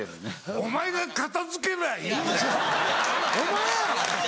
お前が片付けりゃいいんだよ！